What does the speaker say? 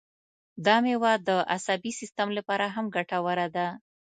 دا مېوه د عصبي سیستم لپاره هم ګټوره ده.